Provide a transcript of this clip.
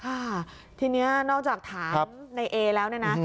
ค่ะทีนี้นอกจากถามในเอแล้วเนี่ยนะ